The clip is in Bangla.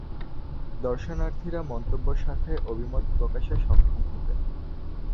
দর্শনার্থীরা মন্তব্য শাখায় অভিমত প্রকাশে সক্ষম হতেন।